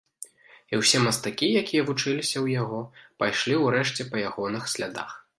І ўсе мастакі, якія вучыліся ў яго, пайшлі ў рэшце па ягоных слядах.